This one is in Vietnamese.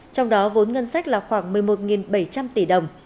trong đó vốn ngân sách là khoảng một mươi một bảy trăm linh tỷ đồng